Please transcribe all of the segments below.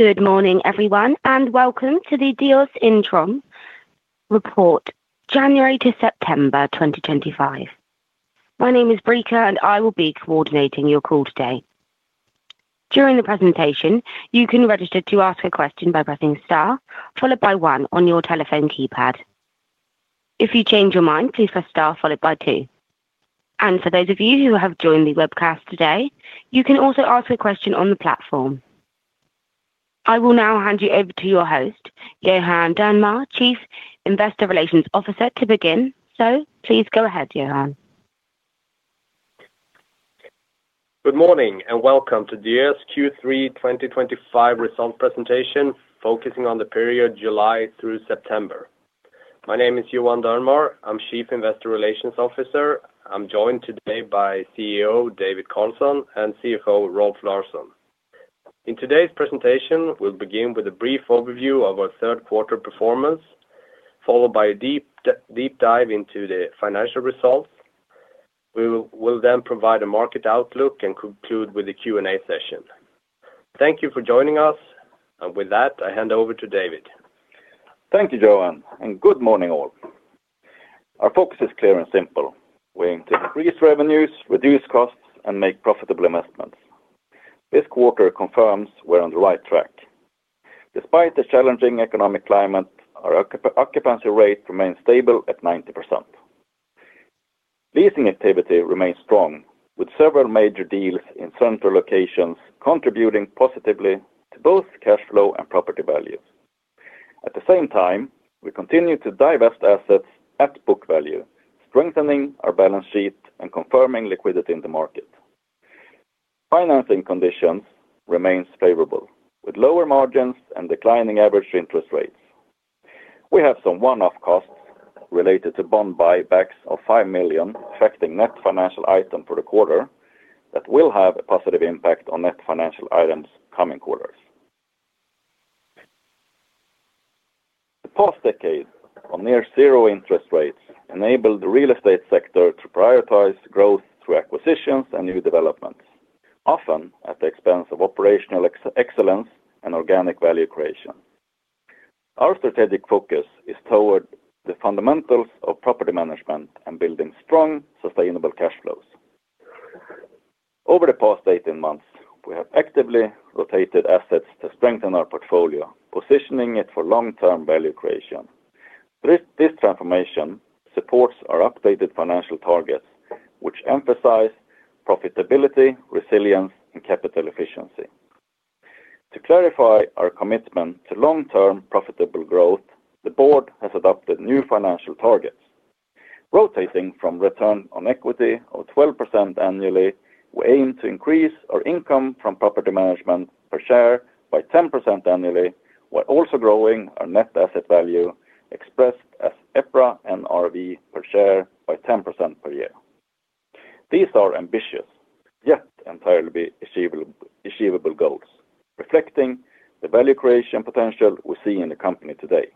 Good morning, everyone, and welcome to the Diös interim report, January to September 2025. My name is Brika, and I will be coordinating your call today. During the presentation, you can register to ask a question by pressing * followed by 1 on your telephone keypad. If you change your mind, please press * followed by 2. For those of you who have joined the webcast today, you can also ask a question on the platform. I will now hand you over to your host, Johan Dernmar, Chief Investor Relations Officer, to begin. Please go ahead, Johan. Good morning and welcome to Diös Q3 2025 results presentation, focusing on the period July through September. My name is Johan Dernmar. I'm Chief Investor Relations Officer. I'm joined today by CEO David Carlsson and CFO Rolf Larsson. In today's presentation, we'll begin with a brief overview of our third-quarter performance, followed by a deep dive into the financial results. We'll then provide a market outlook and conclude with a Q&A session. Thank you for joining us. With that, I hand over to David. Thank you, Johan, and good morning all. Our focus is clear and simple: we aim to increase revenues, reduce costs, and make profitable investments. This quarter confirms we're on the right track. Despite the challenging economic climate, our occupancy rate remains stable at 90%. Leasing activity remains strong, with several major deals in central locations contributing positively to both cash flow and property values. At the same time, we continue to divest assets at book value, strengthening our balance sheet and confirming liquidity in the market. Financing conditions remain favorable, with lower margins and declining average interest rates. We have some one-off costs related to bond redemptions of 5 million, affecting net financial items for the quarter that will have a positive impact on net financial items coming quarters. The past decade, on near-zero interest rates, enabled the real estate sector to prioritize growth through acquisitions and new developments, often at the expense of operational excellence and organic value creation. Our strategic focus is toward the fundamentals of property management and building strong, sustainable cash flows. Over the past 18 months, we have actively rotated assets to strengthen our portfolio, positioning it for long-term value creation. This transformation supports our updated financial targets, which emphasize profitability, resilience, and capital efficiency. To clarify our commitment to long-term profitable growth, the board has adopted new financial targets. Rotating from return on equity of 12% annually, we aim to increase our income from property management per share by 10% annually, while also growing our net asset value, expressed as EPRA NRV per share, by 10% per year. These are ambitious, yet entirely achievable goals, reflecting the value creation potential we see in the company today.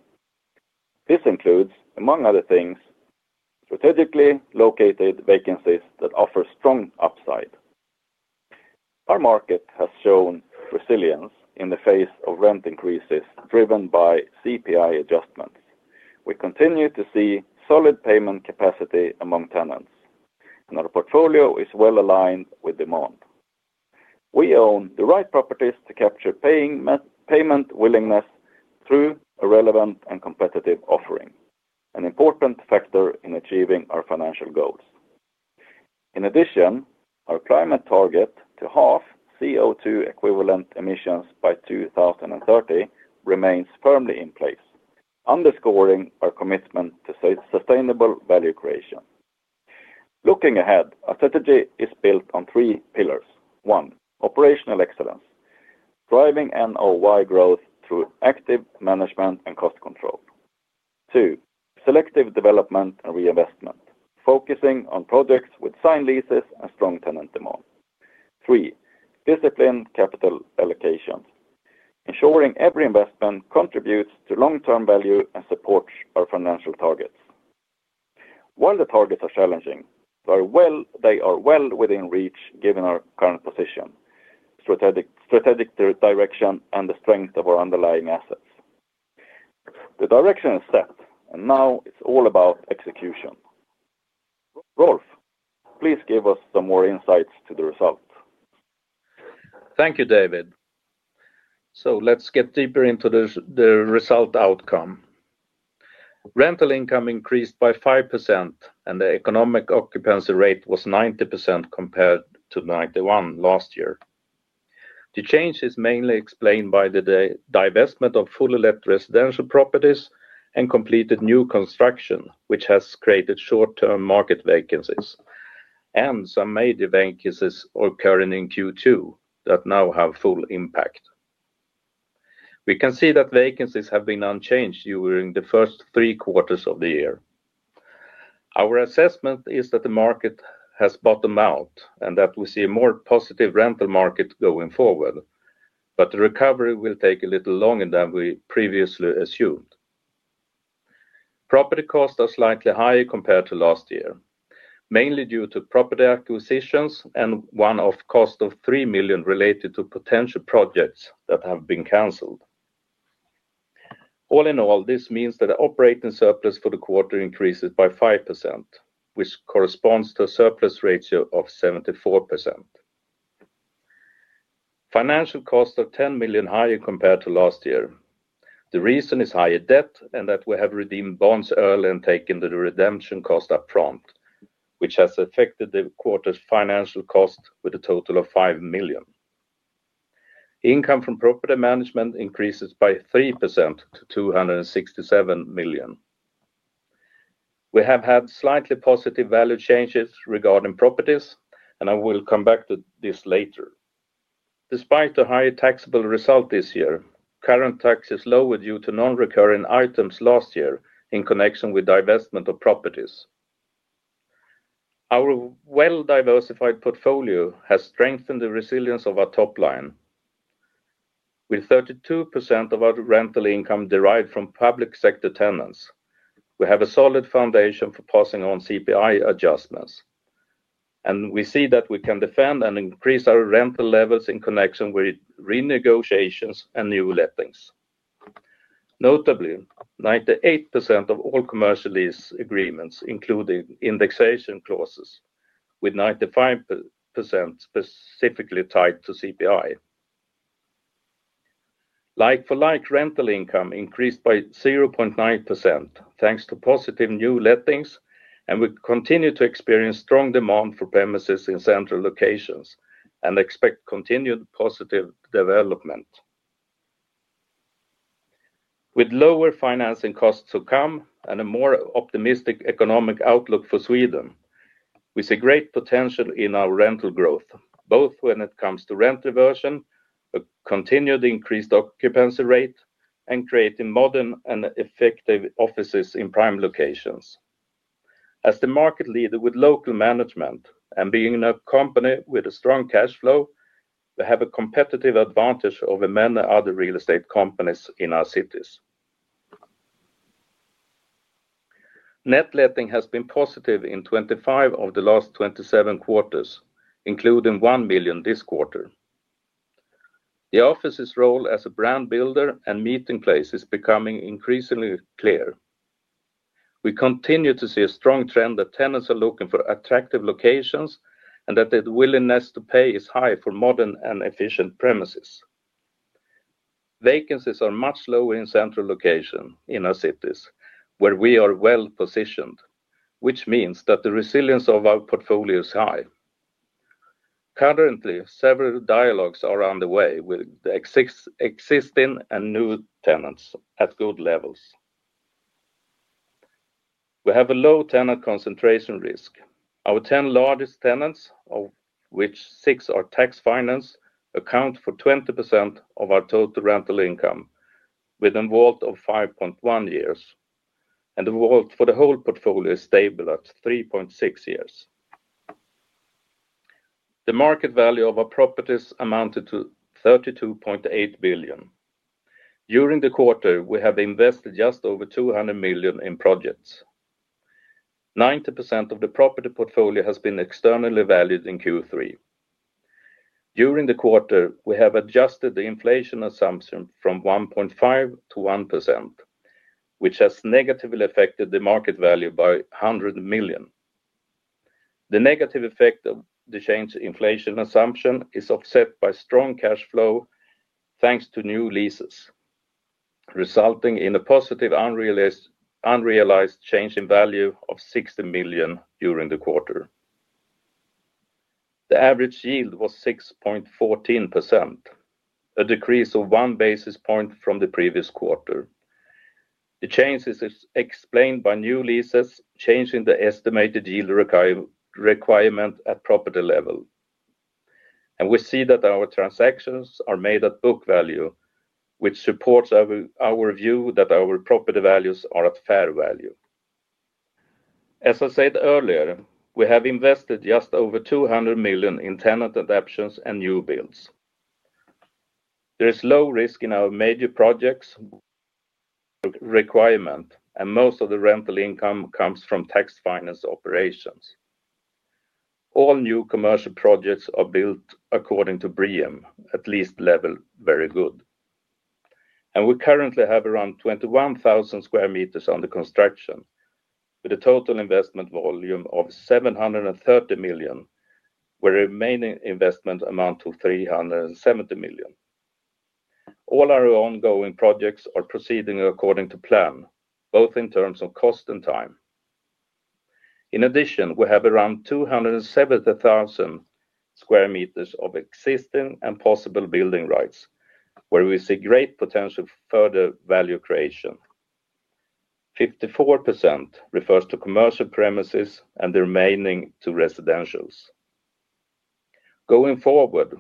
This includes, among other things, strategically located vacancies that offer strong upside. Our market has shown resilience in the face of rent increases driven by CPI adjustments. We continue to see solid payment capacity among tenants, and our portfolio is well aligned with demand. We own the right properties to capture payment willingness through a relevant and competitive offering, an important factor in achieving our financial goals. In addition, our climate target to halve CO2 equivalent emissions by 2030 remains firmly in place, underscoring our commitment to sustainable value creation. Looking ahead, our strategy is built on three pillars: 1. Operational excellence, driving NOI growth through active management and cost control. 2. Selective development and reinvestment, focusing on projects with signed leases and strong tenant demand. 3. Disciplined capital allocation, ensuring every investment contributes to long-term value and supports our financial targets. While the targets are challenging, they are well within reach, given our current position, strategic direction, and the strength of our underlying assets. The direction is set, and now it's all about execution. Rolf, please give us some more insights to the results. Thank you, David. Let's get deeper into the result outcome. Rental income increased by 5%, and the economic occupancy rate was 90% compared to 91% last year. The change is mainly explained by the divestment of fully let residential properties and completed new construction, which has created short-term market vacancies and some major vacancies occurring in Q2 that now have full impact. We can see that vacancies have been unchanged during the first three quarters of the year. Our assessment is that the market has bottomed out and that we see a more positive rental market going forward, but the recovery will take a little longer than we previously assumed. Property costs are slightly higher compared to last year, mainly due to property acquisitions and one-off costs of 3 million related to potential projects that have been canceled. All in all, this means that the operating surplus for the quarter increases by 5%, which corresponds to a surplus ratio of 74%. Financial costs are 10 million higher compared to last year. The reason is higher debt and that we have redeemed bonds early and taken the redemption cost upfront, which has affected the quarter's financial cost with a total of 5 million. Income from property management increases by 3% to 267 million. We have had slightly positive value changes regarding properties, and I will come back to this later. Despite a higher taxable result this year, current tax is lower due to non-recurring items last year in connection with divestment of properties. Our well-diversified portfolio has strengthened the resilience of our top line. With 32% of our rental income derived from public sector tenants, we have a solid foundation for passing on CPI adjustments, and we see that we can defend and increase our rental levels in connection with renegotiations and new lettings. Notably, 98% of all commercial lease agreements include indexation clauses, with 95% specifically tied to CPI. Like-for-like rental income increased by 0.9% thanks to positive new lettings, and we continue to experience strong demand for premises in central locations and expect continued positive development. With lower financing costs to come and a more optimistic economic outlook for Sweden, we see great potential in our rental growth, both when it comes to rent diversion, a continued increased occupancy rate, and creating modern and effective offices in prime locations. As the market leader with local management and being a company with a strong cash flow, we have a competitive advantage over many other real estate companies in our cities. Net letting has been positive in 25 of the last 27 quarters, including 1 billion this quarter. The office's role as a brand builder and meeting place is becoming increasingly clear. We continue to see a strong trend that tenants are looking for attractive locations and that their willingness to pay is high for modern and efficient premises. Vacancies are much lower in central locations in our cities, where we are well positioned, which means that the resilience of our portfolio is high. Currently, several dialogues are underway with the existing and new tenants at good levels. We have a low tenant concentration risk. Our 10 largest tenants, of which 6 are tax financed, account for 20% of our total rental income, with a WALT of 5.1 years, and the WALT for the whole portfolio is stable at 3.6 years. The market value of our properties amounted to 32.8 billion. During the quarter, we have invested just over 200 million in projects. 90% of the property portfolio has been externally valued in Q3. During the quarter, we have adjusted the inflation assumption from 1.5% to 1%, which has negatively affected the market value by 100 million. The negative effect of the change in inflation assumption is offset by strong cash flow thanks to new leases, resulting in a positive unrealized change in value of 60 million during the quarter. The average yield was 6.14%, a decrease of one basis point from the previous quarter. The change is explained by new leases changing the estimated yield requirement at property level. We see that our transactions are made at book value, which supports our view that our property values are at fair value. As I said earlier, we have invested just over 200 million in tenant adaptations and new builds. There is low risk in our major projects requirement, and most of the rental income comes from tax financed operations. All new commercial projects are built according to BREEAM, at least level Very Good. We currently have around 21,000 sq m under construction, with a total investment volume of 730 million, where the remaining investment amounts to 370 million. All our ongoing projects are proceeding according to plan, both in terms of cost and time. In addition, we have around 270,000 sq m of existing and possible building rights, where we see great potential for further value creation. 54% refers to commercial premises and the remaining to residential properties. Going forward,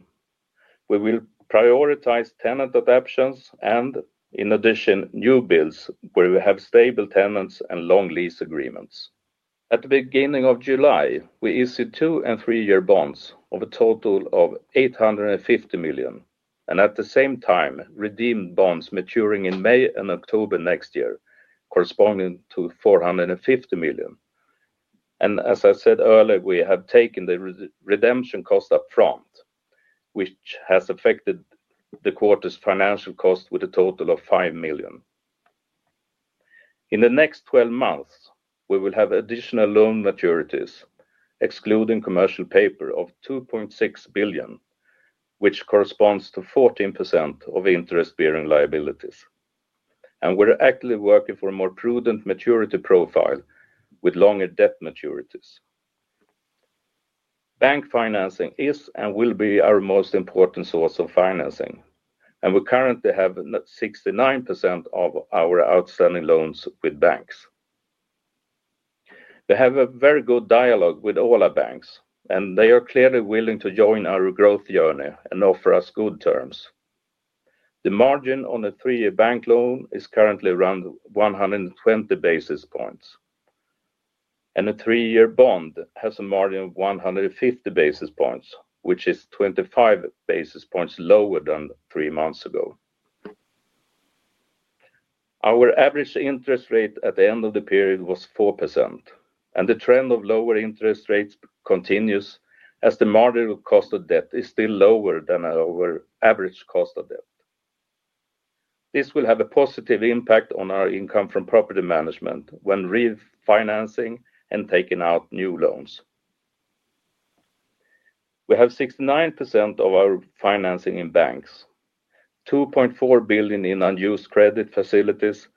we will prioritize tenant adaptations and, in addition, new builds where we have stable tenants and long lease agreements. At the beginning of July, we issued two- and three-year bonds of a total of 850 million, and at the same time, redeemed bonds maturing in May and October next year, corresponding to 450 million. As I said earlier, we have taken the redemption cost upfront, which has affected the quarter's financial cost with a total of 5 million. In the next 12 months, we will have additional loan maturities, excluding commercial paper, of 2.6 billion, which corresponds to 14% of interest-bearing liabilities. We are actively working for a more prudent maturity profile with longer debt maturities. Bank financing is and will be our most important source of financing, and we currently have 69% of our outstanding loans with banks. We have a very good dialogue with all our banks, and they are clearly willing to join our growth journey and offer us good terms. The margin on a three-year bank loan is currently around 120 basis points, and a three-year bond has a margin of 150 basis points, which is 25 basis points lower than three months ago. Our average interest rate at the end of the period was 4%, and the trend of lower interest rates continues as the marginal cost of debt is still lower than our average cost of debt. This will have a positive impact on our income from property management when refinancing and taking out new loans. We have 69% of our financing in banks, 2.4 billion in unused credit facilities,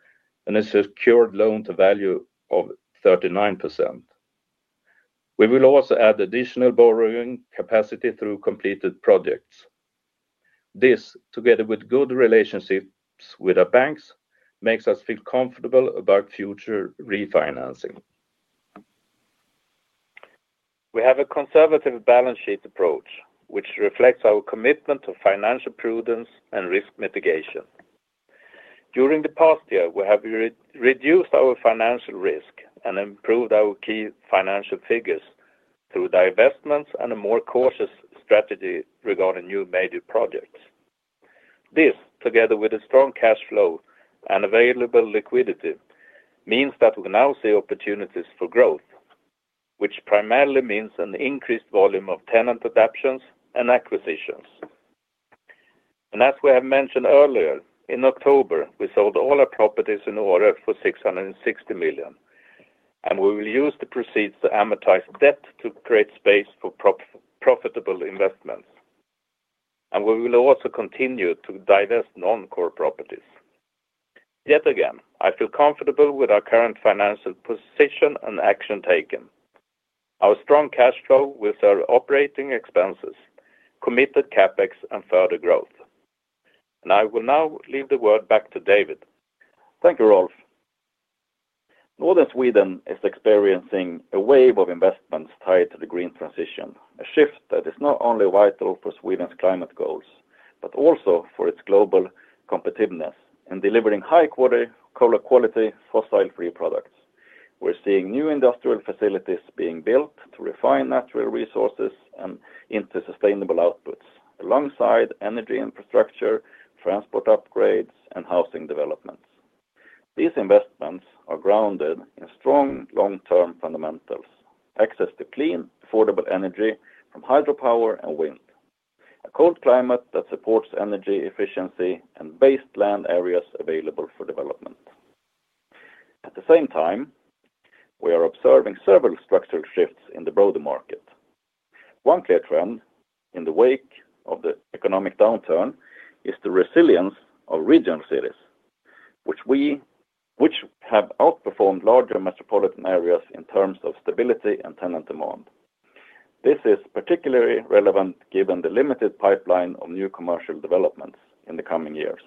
and a secured loan-to-value of 39%. We will also add additional borrowing capacity through completed projects. This, together with good relationships with our banks, makes us feel comfortable about future refinancing. We have a conservative balance sheet approach, which reflects our commitment to financial prudence and risk mitigation. During the past year, we have reduced our financial risk and improved our key financial figures through divestments and a more cautious strategy regarding new major projects. This, together with a strong cash flow and available liquidity, means that we now see opportunities for growth, which primarily means an increased volume of tenant adaptations and acquisitions. As we have mentioned earlier, in October, we sold all our properties in order for 660 million, and we will use the proceeds to amortize debt to create space for profitable investments. We will also continue to divest non-core properties. Yet again, I feel comfortable with our current financial position and action taken. Our strong cash flow with our operating expenses, committed CapEx, and further growth. I will now leave the word back to David. Thank you, Rolf. Northern Sweden is experiencing a wave of investments tied to the green transition, a shift that is not only vital for Sweden's climate goals, but also for its global competitiveness in delivering high-quality fossil-free products. We're seeing new industrial facilities being built to refine natural resources into sustainable outputs, alongside energy infrastructure, transport upgrades, and housing developments. These investments are grounded in strong long-term fundamentals, access to clean, affordable energy from hydropower and wind, a cold climate that supports energy efficiency, and vast land areas available for development. At the same time, we are observing several structural shifts in the broader market. One clear trend in the wake of the economic downturn is the resilience of regional cities, which have outperformed larger metropolitan areas in terms of stability and tenant demand. This is particularly relevant given the limited pipeline of new commercial developments in the coming years,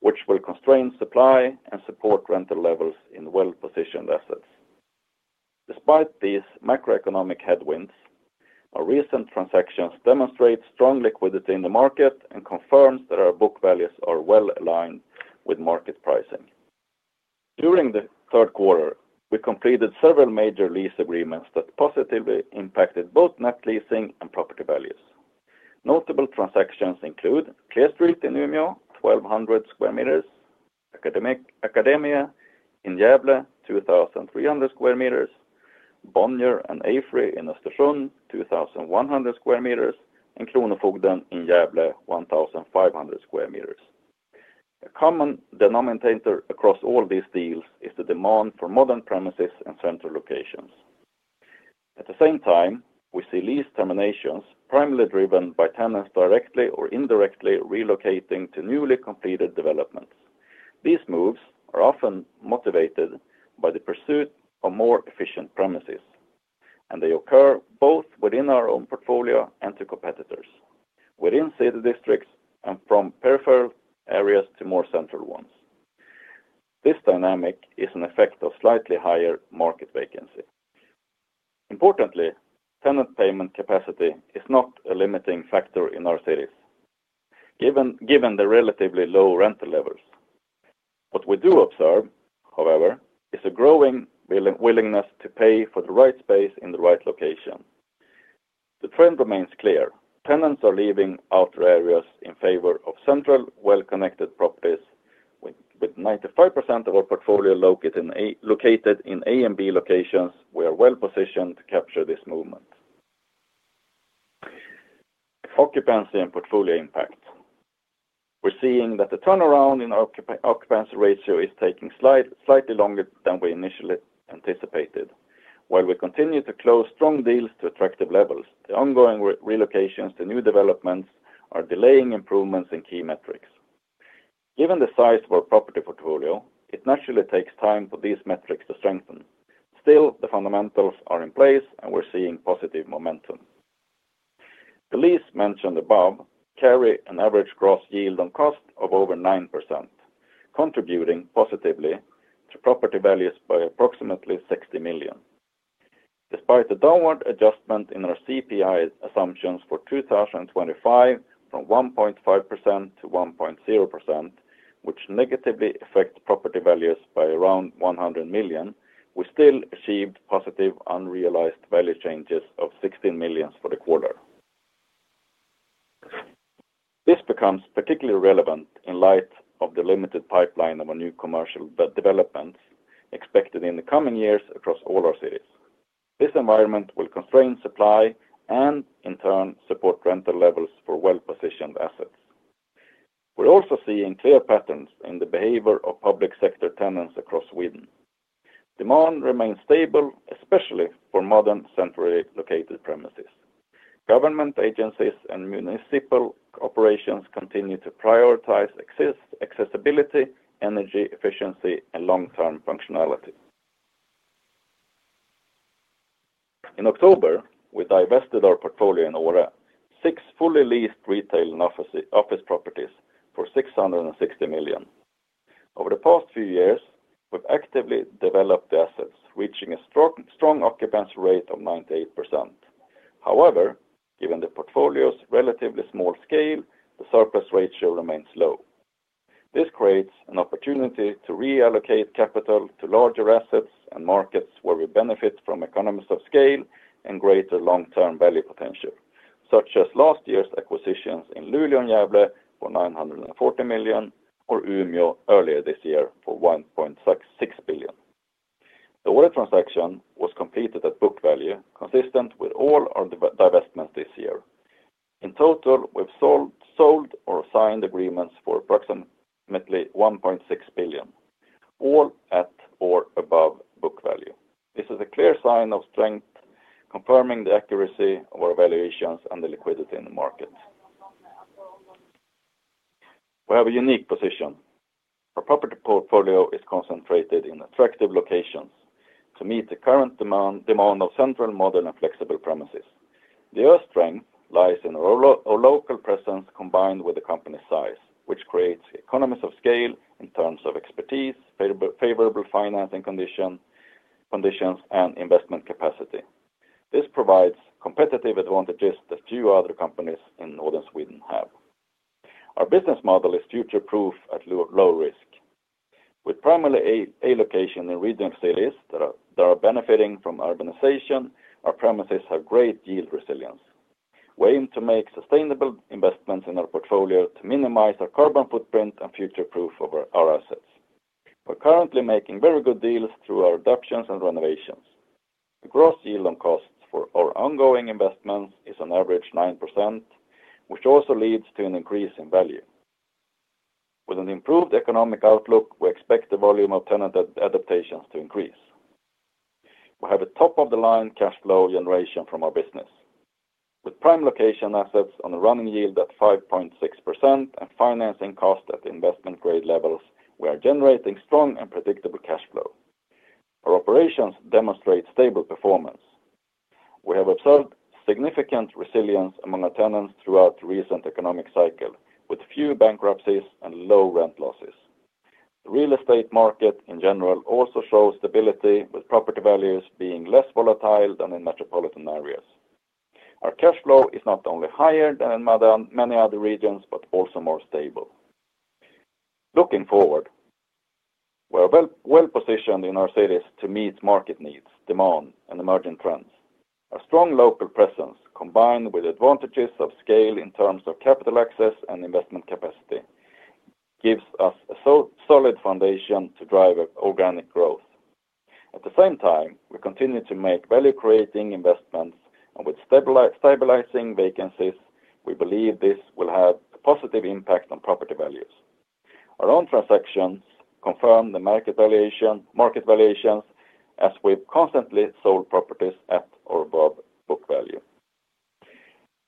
which will constrain supply and support rental levels in well-positioned assets. Despite these macroeconomic headwinds, our recent transactions demonstrate strong liquidity in the market and confirm that our book values are well aligned with market pricing. During the third quarter, we completed several major lease agreements that positively impacted both net leasing and property values. Notable transactions include Clear Street in Umeå, 1,200 sq m; Academia in Gävle, 2,300 sq m; Bonnier and AFRY in Östersund, 2,100 sq m; and Kronofogden in Gävle, 1,500 sq m. A common denominator across all these deals is the demand for modern premises in central locations. At the same time, we see lease terminations primarily driven by tenants directly or indirectly relocating to newly completed developments. These moves are often motivated by the pursuit of more efficient premises, and they occur both within our own portfolio and to competitors, within city districts and from peripheral areas to more central ones. This dynamic is an effect of slightly higher market vacancy. Importantly, tenant payment capacity is not a limiting factor in our cities, given the relatively low rental levels. What we do observe, however, is a growing willingness to pay for the right space in the right location. The trend remains clear: tenants are leaving outer areas in favor of central, well-connected properties, with 95% of our portfolio located in A and B locations, which are well positioned to capture this movement. Occupancy and portfolio impacts. We're seeing that the turnaround in occupancy ratio is taking slightly longer than we initially anticipated. While we continue to close strong deals to attractive levels, the ongoing relocations to new developments are delaying improvements in key metrics. Given the size of our property portfolio, it naturally takes time for these metrics to strengthen. Still, the fundamentals are in place, and we're seeing positive momentum. The lease mentioned above carry an average gross yield on cost of over 9%, contributing positively to property values by approximately 60 million. Despite the downward adjustment in our CPI assumptions for 2025 from 1.5% to 1.0%, which negatively affects property values by around 100 million, we still achieved positive unrealized value changes of 16 million for the quarter. This becomes particularly relevant in light of the limited pipeline of our new commercial developments expected in the coming years across all our cities. This environment will constrain supply and, in turn, support rental levels for well-positioned assets. We're also seeing clear patterns in the behavior of public sector tenants across Sweden. Demand remains stable, especially for modern, centrally located premises. Government agencies and municipal operations continue to prioritize accessibility, energy efficiency, and long-term functionality. In October, we divested our portfolio in order: six fully leased retail and office properties for 660 million. Over the past few years, we've actively developed the assets, reaching a strong occupancy rate of 98%. However, given the portfolio's relatively small scale, the surplus ratio remains low. This creates an opportunity to reallocate capital to larger assets and markets where we benefit from economies of scale and greater long-term value potential, such as last year's acquisitions in Luleå and Gävle for 940 million or Umeå earlier this year for 1.6 billion. The order transaction was completed at book value, consistent with all our divestments this year. In total, we've sold or signed agreements for approximately 1.6 billion, all at or above book value. This is a clear sign of strength, confirming the accuracy of our evaluations and the liquidity in the market. We have a unique position. Our property portfolio is concentrated in attractive locations to meet the current demand of central, modern, and flexible premises. The other strength lies in our local presence combined with the company size, which creates economies of scale in terms of expertise, favorable financing conditions, and investment capacity. This provides competitive advantages that few other companies in northern Sweden have. Our business model is future-proof at low risk. With primary A location in regional cities that are benefiting from urbanization, our premises have great yield resilience. We aim to make sustainable investments in our portfolio to minimize our carbon footprint and future-proof our assets. We're currently making very good deals through our acquisitions and renovations. The average gross yield on cost for our ongoing investments is on average 9%, which also leads to an increase in value. With an improved economic outlook, we expect the volume of tenant adaptations to increase. We have a top-of-the-line cash flow generation from our business. With prime location assets on a running yield at 5.6% and financing cost at investment-grade levels, we are generating strong and predictable cash flow. Our operations demonstrate stable performance. We have observed significant resilience among our tenants throughout the recent economic cycle, with few bankruptcies and low rent losses. The real estate market in general also shows stability, with property values being less volatile than in metropolitan areas. Our cash flow is not only higher than in many other regions, but also more stable. Looking forward, we're well positioned in our cities to meet market needs, demand, and emerging trends. Our strong local presence, combined with advantages of scale in terms of capital access and investment capacity, gives us a solid foundation to drive organic growth. At the same time, we continue to make value-creating investments, and with stabilizing vacancies, we believe this will have a positive impact on property values. Our own transactions confirm the market valuations as we've constantly sold properties at or above book value.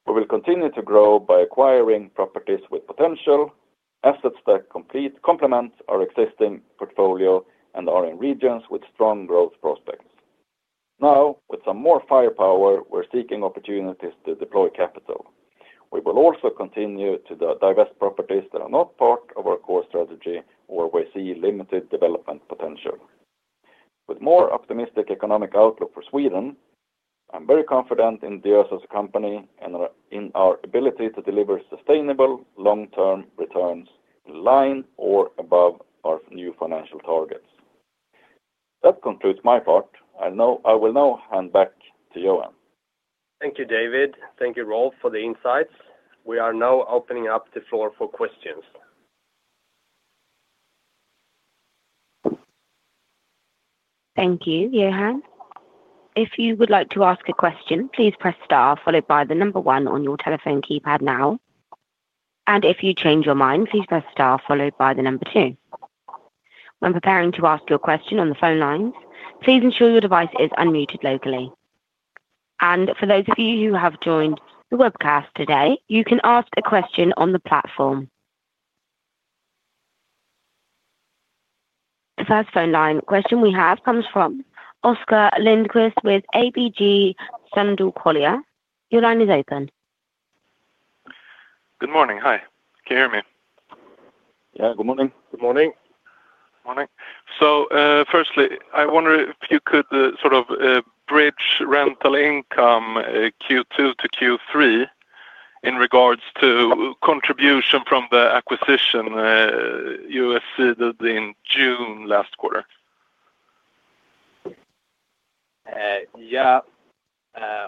We will continue to grow by acquiring properties with potential assets that complement our existing portfolio and are in regions with strong growth prospects. Now, with some more firepower, we're seeking opportunities to deploy capital. We will also continue to divest properties that are not part of our core strategy or we see limited development potential. With a more optimistic economic outlook for Sweden, I'm very confident in Diös as a company and in our ability to deliver sustainable long-term returns in line or above our new financial targets. That concludes my part. I will now hand back to Johan. Thank you, David. Thank you, Rolf, for the insights. We are now opening up the floor for questions. Thank you, Johan. If you would like to ask a question, please press * followed by the number 1 on your telephone keypad now. If you change your mind, please press * followed by the number 2. When preparing to ask your question on the phone lines, please ensure your device is unmuted locally. For those of you who have joined the webcast today, you can ask a question on the platform. The first phone line question we have comes from Oscar Lindquist with ABG Sundal Collier. Your line is open. Good morning. Hi, can you hear me? Good morning. Good morning. Morning. Firstly, I wonder if you could sort of bridge rental income Q2 to Q3 in regards to contribution from the acquisition you executed in June last quarter. Yeah.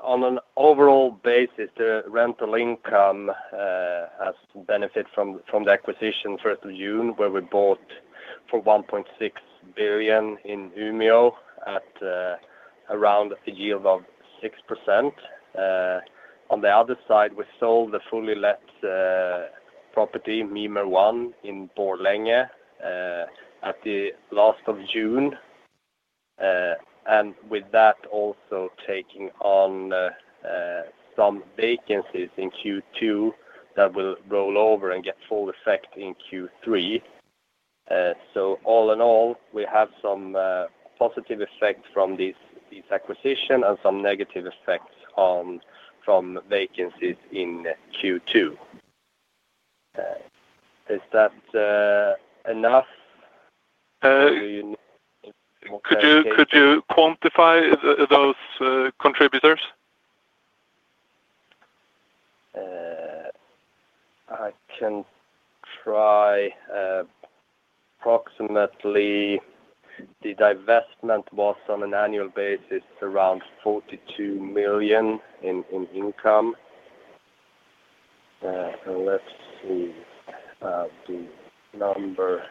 On an overall basis, the rental income has benefited from the acquisition 1st of June, where we bought for 1.6 billion in Umeå at around a yield of 6%. On the other side, we sold the fully let property Mimer 1 in Borlänge at the last of June, with that also taking on some vacancies in Q2 that will roll over and get full effect in Q3. All in all, we have some positive effects from this acquisition and some negative effects from vacancies in Q2. Is that enough? Could you quantify those contributors? I can try. Approximately, the divestment was on an annual basis around 42 million in income. Let's see about the number.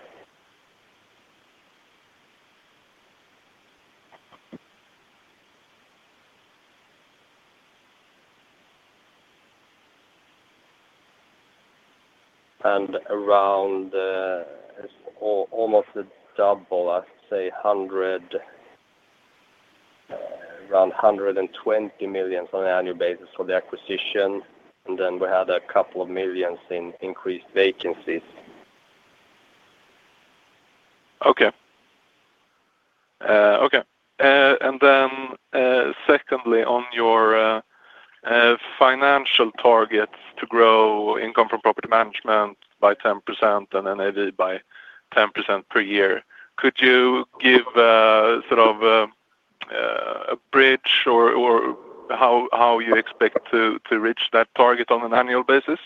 Around almost the double, I'd say around 120 million on an annual basis for the acquisition. We had a couple of millions in increased vacancies. Okay. Okay. On your financial targets to grow income from property management by 10% and NAV by 10% per year, could you give sort of a bridge or how you expect to reach that target on an annual basis?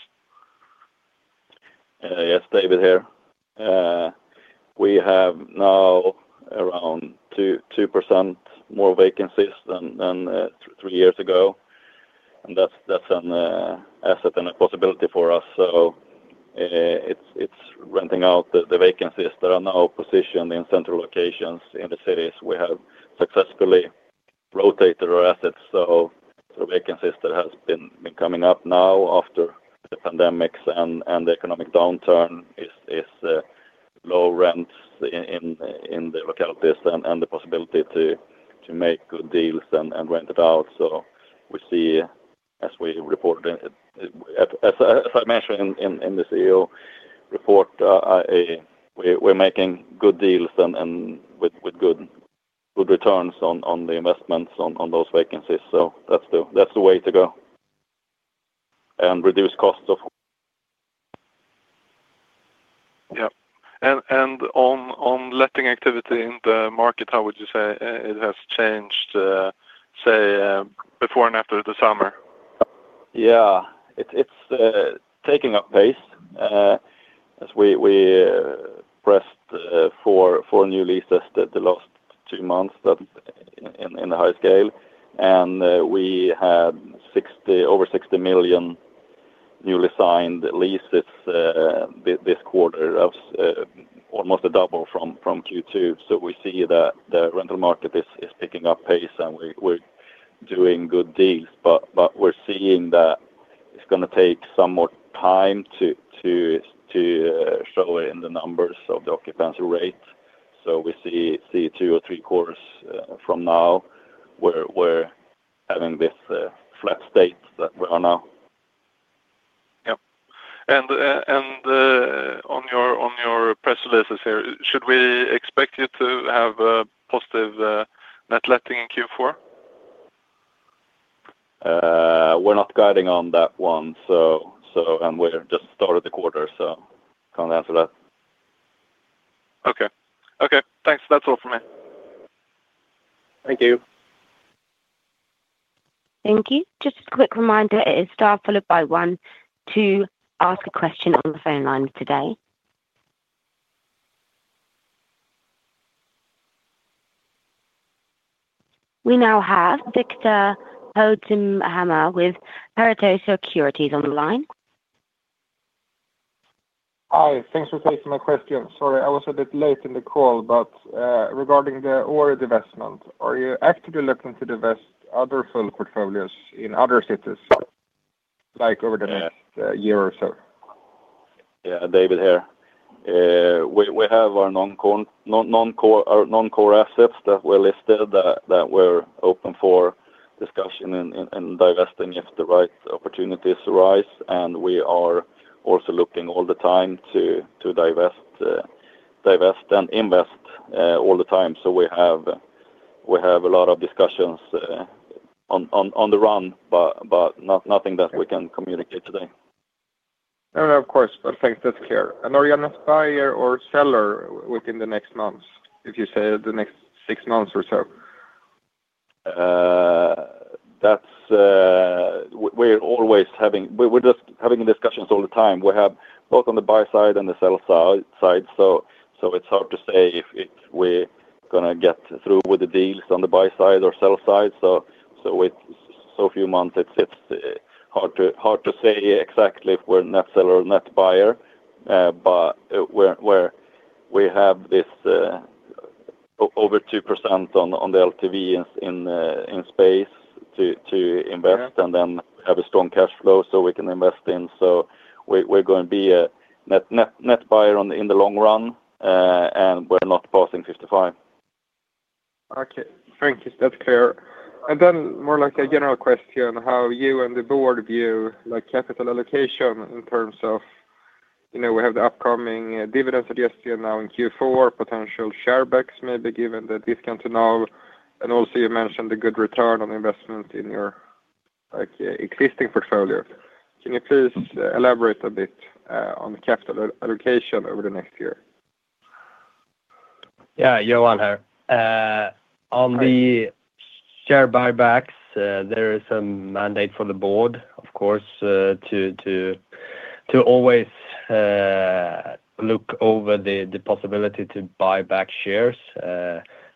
Yes, David here. We have now around 2% more vacancies than three years ago. That's an asset and a possibility for us. It's renting out the vacancies that are now positioned in central locations in the cities. We have successfully rotated our assets. The vacancies that have been coming up now after the pandemics and the economic downturn are low rents in the localities and the possibility to make good deals and rent it out. We see, as we reported, as I mentioned in the CEO report, we're making good deals and with good returns on the investments on those vacancies. That's the way to go and reduce costs. On letting activity in the market, how would you say it has changed, say, before and after the summer? Yeah. It's taking up pace. As we pressed for new leases the last two months in the high scale, we had over 60 million newly signed leases this quarter, almost a double from Q2. We see that the rental market is picking up pace, and we're doing good deals. We're seeing that it's going to take some more time to show it in the numbers of the occupancy rate. We see two or three quarters from now, we're having this flat state that we are now. On your press releases here, should we expect you to have a positive net letting in Q4? We're not guiding on that one. We've just started the quarter, so I can't answer that. Okay. Okay. Thanks. That's all for me. Thank you. Thank you. Just a quick reminder, it is * followed by 1 to ask a question on the phone line today. We now have Viktor Hökenhammar with Pareto Securities on the line. Hi. Thanks for taking my question. Sorry, I was a bit late in the call, but regarding the order divestment, are you actively looking to divest other full portfolios in other cities, like over the next year or so? Yeah. David here. We have our non-core assets that were listed that we're open for discussion and divesting if the right opportunities arise. We are also looking all the time to divest and invest all the time. We have a lot of discussions on the run, but nothing that we can communicate today. No, of course. Thanks. That's clear. Are you an acquirer or seller within the next months, if you say the next six months or so? We're just having discussions all the time. We have both on the buy side and the sell side. It's hard to say if we're going to get through with the deals on the buy side or sell side. With so few months, it's hard to say exactly if we're net seller or net buyer. We have this over 2% on the LTV in space to invest, and then we have a strong cash flow we can invest in. We're going to be a net buyer in the long run, and we're not passing 55. Okay. Thank you. That's clear. More like a general question, how you and the board view capital allocation in terms of, you know, we have the upcoming dividend suggestion now in Q4, potential share backs maybe given the discount to now. You also mentioned the good return on investment in your existing portfolio. Can you please elaborate a bit on the capital allocation over the next year? Yeah. Johan here. On the share buybacks, there is a mandate for the Board, of course, to always look over the possibility to buy back shares.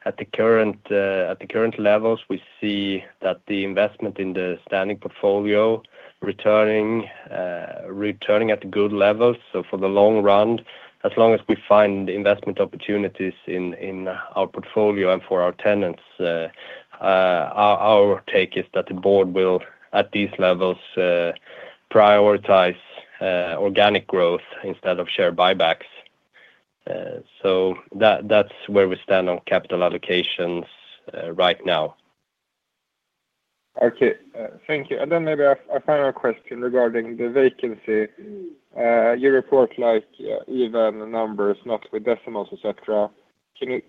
At the current levels, we see that the investment in the standing portfolio returning at good levels. For the long run, as long as we find investment opportunities in our portfolio and for our tenants, our take is that the Board will, at these levels, prioritize organic growth instead of share buybacks. That's where we stand on capital allocation right now. Okay. Thank you. Maybe a final question regarding the vacancy. You report even numbers, not with decimals, etc. Can you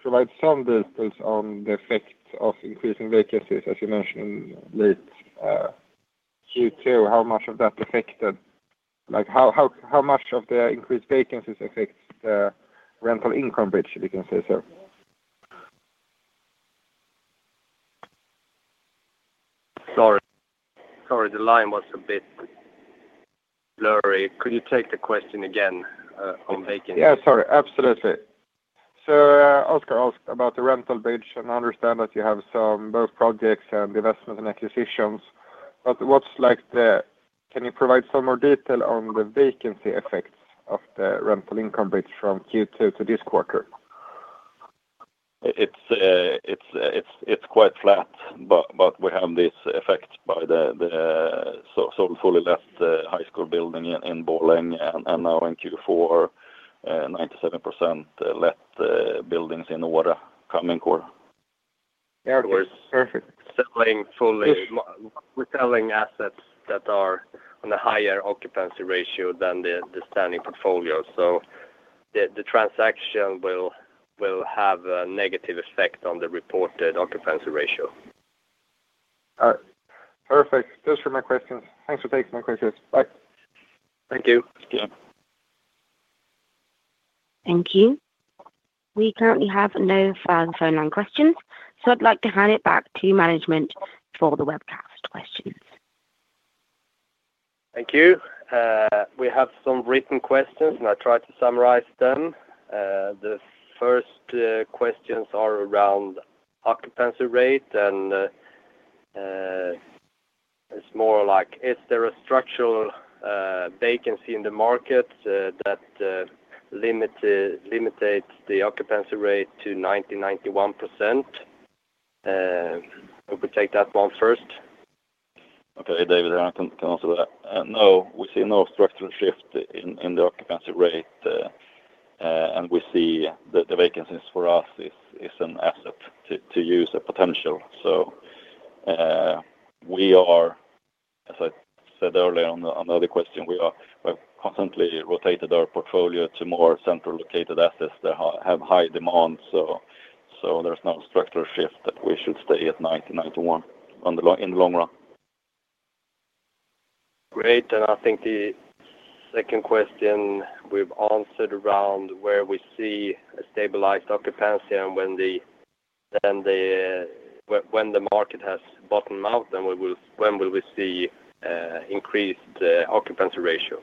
provide some details on the effect of increasing vacancies, as you mentioned in late Q2? How much of that affected? How much of the increased vacancies affects the rental income, if you can say so? Sorry, the line was a bit blurry. Could you take the question again on vacancies? Absolutely. Oskar asked about the rental bridge, and I understand that you have some both projects and investments and acquisitions. What's like the can you provide some more detail on the vacancy effects of the rental income bridge from Q2 to this quarter? It's quite flat, but we have this effect by the sold fully let high school building in Borlänge, and now in Q4, 97% let buildings in Öra coming quarter. Yeah, it was selling fully. We're selling assets that are on a higher occupancy ratio than the standing portfolio, so the transaction will have a negative effect on the reported occupancy ratio. All right. Perfect. Those were my questions. Thanks for taking my questions. Bye. Thank you. Yeah. Thank you. We currently have no phone line questions, so I'd like to hand it back to management for the webcast questions. Thank you. We have some written questions, and I'll try to summarize them. The first questions are around occupancy rate, and it's more like, is there a structural vacancy in the market that limits the occupancy rate to 90%, 91%? Who could take that one first? Okay. David here. I can answer that. No, we see no structural shift in the occupancy rate, and we see that the vacancies for us is an asset to use the potential. We are, as I said earlier on the other question, constantly rotating our portfolio to more central-located assets that have high demand. There is no structural shift that we should stay at 90%, 91% in the long run. Great. I think the second question we've answered around where we see a stabilized occupancy, and when the market has bottomed out, then when will we see an increased occupancy ratio?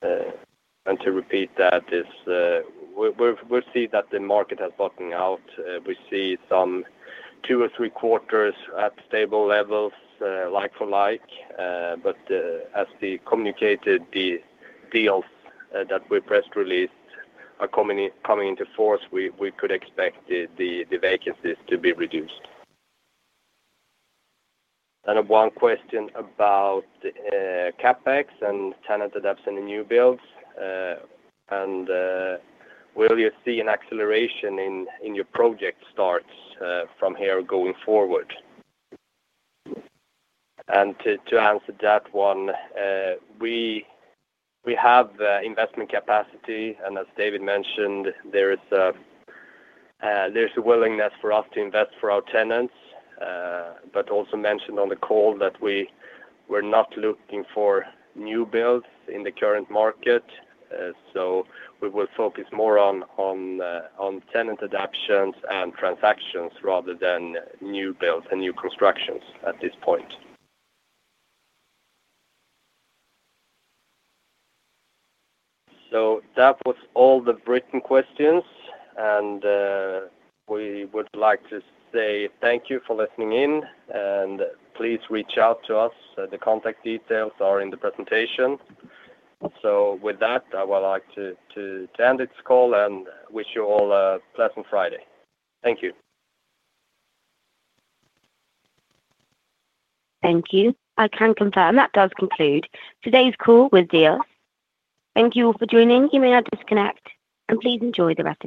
To repeat that, we'll see that the market has bottomed out. We see some two or three quarters at stable levels, like for like. As we communicated, the deals that we press released are coming into force. We could expect the vacancies to be reduced. One question about CapEx and tenant adaptation in new builds. Will you see an acceleration in your project starts from here going forward? To answer that one, we have investment capacity. As David mentioned, there is a willingness for us to invest for our tenants. Also mentioned on the call, we're not looking for new builds in the current market. We will focus more on tenant adaptations and transactions rather than new builds and new constructions at this point. That was all the written questions. We would like to say thank you for listening in, and please reach out to us. The contact details are in the presentation. With that, I would like to end this call and wish you all a pleasant Friday. Thank you. Thank you. I can confirm that does conclude today's call with Diös. Thank you all for joining. You may now disconnect, and please enjoy the rest.